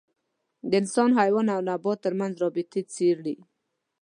د انسان، حیوان او نبات تر منځ رابطه څېړي.